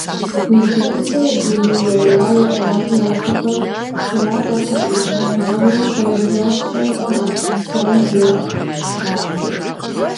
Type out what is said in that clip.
Мы джэгукӏэр Узуняйла и къуажэ нэхъыбэм ящӏэртэкъым, ауэ зэныбжьэгъухэм ар псом нэхъ къатщтэрт.